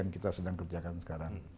yang kita sedang kerjakan sekarang